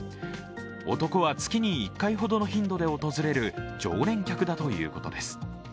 男は月に１回ほどの頻度で訪れる常連客だということです。